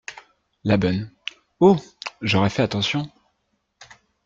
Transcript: La Bonne. — Oh ! j’aurais fait attention.